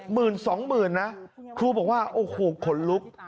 หมื่นสองหมื่นนะครูบอกว่าโอ้โหขนลุก